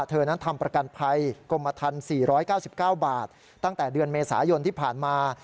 เธอนั้นทำประกันภัยกรมทัน๔๙๙บาทตั้งแต่เดือนเมษายนที่ผ่านมา